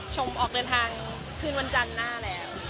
ออกเดินทางคืนวันจันทร์หน้าแล้ว